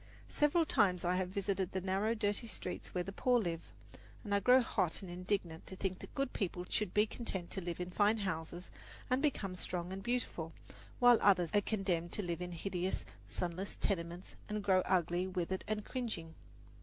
Several times I have visited the narrow, dirty streets where the poor live, and I grow hot and indignant to think that good people should be content to live in fine houses and become strong and beautiful, while others are condemned to live in hideous, sunless tenements and grow ugly, withered and cringing.